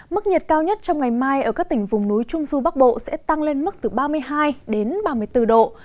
mức nhiệt cao nhất trong ngày mai ở các tỉnh vùng núi trung du bắc bộ sẽ tăng lên mức từ ba mươi hai đến ba mươi bốn độ